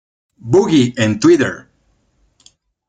BooG!e en Twitter